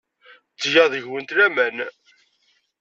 Ttgeɣ deg-went laman.